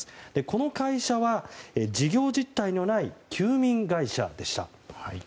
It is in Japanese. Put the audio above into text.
この会社は、事業実態のない休眠会社でした。